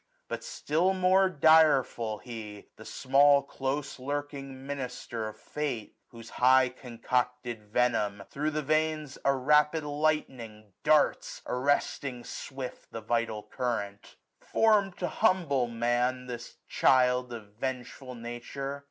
But still more direful he^ The small close lurking minister of Fate, Whose high concocted venom thro* the veins M 2 SUMMER. A rapid lightning darts, arresting swift 910 The vital current. Form*d to humble man. This child of vengeful Nature